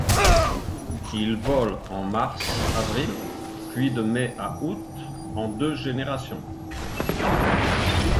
Il vole en mars - avril puis de mai à août, en deux générations.